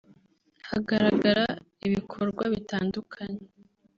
hagaragara ibikorwa bitandukanye